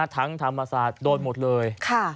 ธรรมศาสตร์โดนหมดเลย